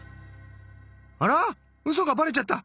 あらウソがばれちゃった。